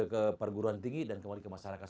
ke perguruan tinggi dan kembali ke masyarakat